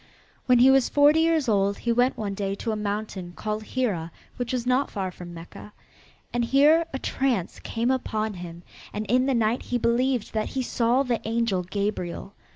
When he was forty years old he went one day to a mountain called Hira which was not far from Mecca. And here a trance came upon him and in the night he believed that he saw the angel Gabriel.